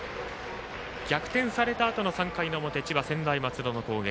逆転されたあとの３回の表千葉・専大松戸の攻撃。